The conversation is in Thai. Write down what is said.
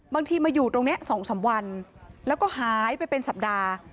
บางทีมาอยู่ตรงนี้๒๓วันแล้วก็หายไปเป็นสัปดาห์